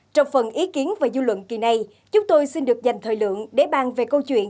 trong phần ý kiến và dư luận kỳ này chúng tôi xin được dành thời lượng để bàn về câu chuyện